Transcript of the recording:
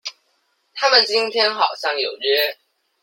他們今天好像有約